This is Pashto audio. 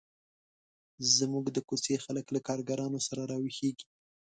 زموږ د کوڅې خلک له کارګرانو سره را ویښیږي.